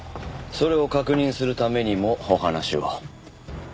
それを確認するためにもお話を。